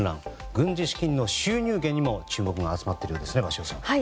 軍事資金の収入源にも注目が集まってるんですね、鷲尾さん。